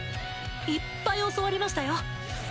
いっぱい教わりましたよ。